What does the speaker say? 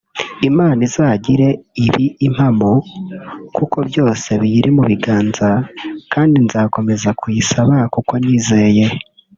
Imana izagire ibi impamo kuko byose biyiri mu biganza kandi nzakomeza kubisaba kuko nyizeye